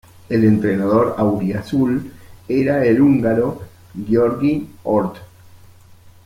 El entrenador auriazul era el húngaro György Orth.